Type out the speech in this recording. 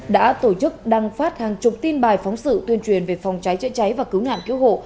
đã tổ chức đăng phát hàng chục tin bài phóng sự tuyên truyền về phòng cháy chữa cháy và cứu nạn cứu hộ